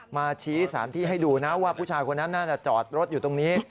มาชี้สารที่ให้ดูนะว่าผู้ชายคนนั้นน่าจะจอดรถอยู่ตรงนี้